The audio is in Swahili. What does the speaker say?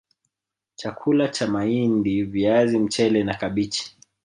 Chakula cha mahindi viazi mchele na kabichi